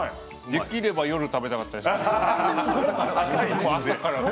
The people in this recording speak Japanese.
できれば夜食べたかったですね。